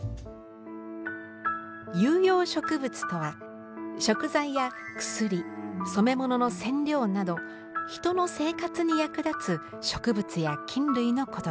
有用植物とは食材や薬染め物の染料など人の生活に役立つ植物や菌類のことです。